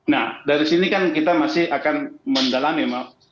nah dari sini kan kita masih akan mendalami